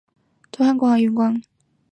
东汉光和元年。